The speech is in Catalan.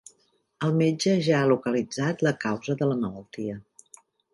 El metge ja ha localitzat la causa de la malaltia.